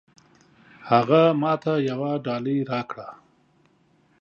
هغه ماته يوه ډالۍ راکړه.